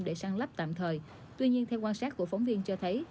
tạp tạm thời tuy nhiên theo quan sát của phóng viên cho thấy